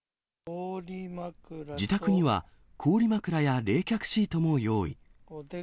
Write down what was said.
自宅には氷枕や冷却シートも用意。